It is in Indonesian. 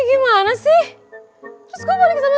ini rumah lo kan